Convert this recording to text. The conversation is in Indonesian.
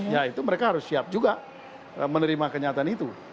ya itu mereka harus siap juga menerima kenyataan itu